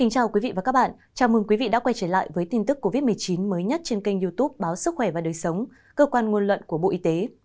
chào mừng quý vị đã quay trở lại với tin tức covid một mươi chín mới nhất trên kênh youtube báo sức khỏe và đời sống cơ quan nguồn luận của bộ y tế